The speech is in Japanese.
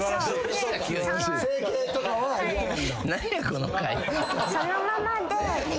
何やこの回。